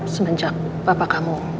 semenjak papa kamu